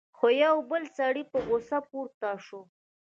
خو یو بل سړی په غصه پورته شو: